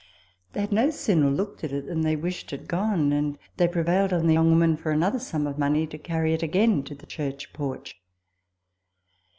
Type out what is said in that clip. They had no sooner looked at it than they wished it gone ; and they prevailed on the young woman, for another sum of money, to carry it again to the church porch.